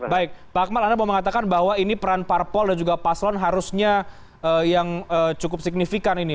baik pak akmal anda mau mengatakan bahwa ini peran parpol dan juga paslon harusnya yang cukup signifikan ini